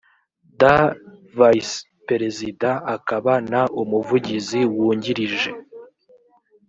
d vice perezida akaba n umuvugizi wungirije